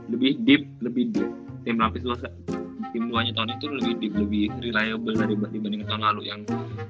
lebih deep lebih deep tim pelapis dua tim dua nya tahun itu lebih deep lebih reliable daribah dibanding tahun lalu yang